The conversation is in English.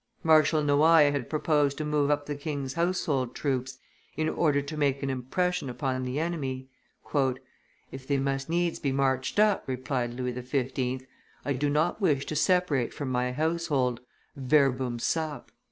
Marshal Noailles had proposed to move up the king's household troops in order to make an impression upon the enemy. "If they must needs be marched up," replied Louis XV., "I do not wish to separate from my household: verbum sap."